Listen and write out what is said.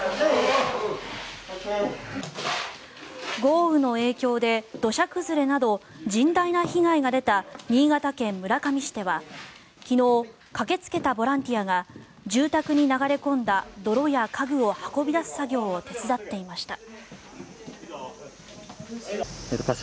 豪雨の影響で、土砂崩れなど甚大な被害が出た新潟県村上市では昨日駆けつけたボランティアが住宅に流れ込んだ泥や家具を運び出す作業を手伝っていました。